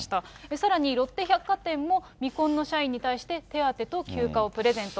さらにロッテ百貨店も、未婚の社員に対して手当と休暇をプレゼント。